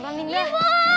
ibu ini indah